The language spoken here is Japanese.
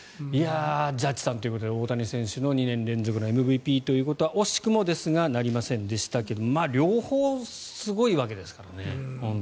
ジャッジさんということで大谷選手の２年連続のＭＶＰということは惜しくもですがなりませんでしたけども両方すごいわけですからね。